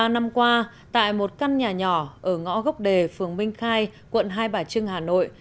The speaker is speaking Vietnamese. ba năm qua tại một căn nhà nhỏ ở ngõ gốc đề phường minh khai quận hai bà trưng hà nội